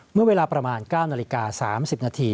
เมื่อเวลาประมาณ๙นาฬิกา๓๐นาที